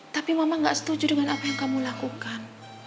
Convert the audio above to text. tapi mama gak setuju dengan apa yang kamu lakukan